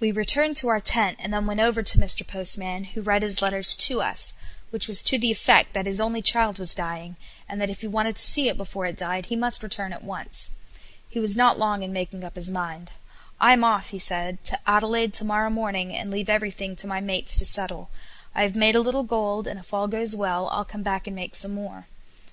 We returned to our tent and then went over to Mr. Postman, who read his letter to us, which was to the effect that his only child was dying, and that if he wanted to see it before it died he must return at once. He was not long in making up his mind. "I'm off," said he "to Adelaide to morrow morning, and leave everything to my mates to settle. I have made a little gold, and if all goes well I'll come back and make some more."